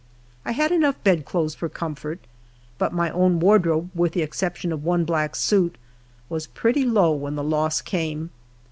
I had enough bed clothes for comfort, but my own ward robe, with the exception of one black suit, was pretty low when the loss came.